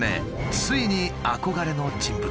ついに憧れの人物